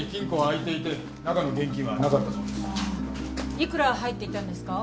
いくら入っていたんですか？